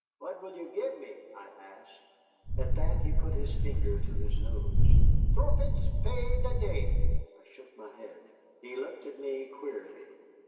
"What will you give me?" I asked. At that he put his finger to his nose. "Thruppence py the day." I shook my head. He looked at me queerly.